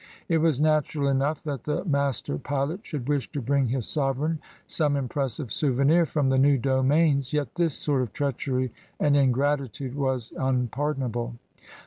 It was natural enough that the master pilot should wish to bring his sovereign some impressive souvenir from the new domains, yet this sort of treachery and ingratitude was unpardonable.